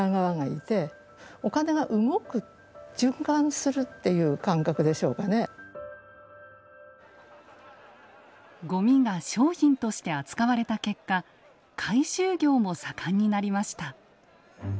そうではなくてごみが商品として扱われた結果回収業も盛んになりました。